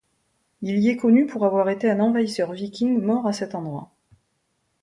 Il y est connu pour avoir été un envahisseur viking mort à cet endroit.